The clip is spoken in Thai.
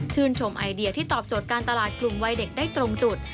ชมไอเดียที่ตอบโจทย์การตลาดกลุ่มวัยเด็กได้ตรงจุด